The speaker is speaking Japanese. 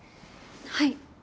はい。